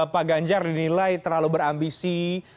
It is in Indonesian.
pak ganjar dinilai terlalu berambisi